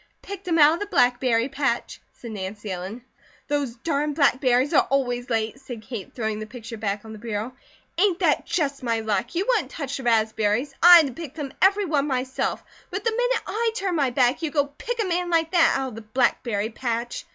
"Picked him out of the blackberry patch," said Nancy Ellen. "Those darn blackberries are always late," said Kate, throwing the picture back on the bureau. "Ain't that just my luck! You wouldn't touch the raspberries. I had to pick them every one myself. But the minute I turn my back, you go pick a man like that, out of the blackberry patch.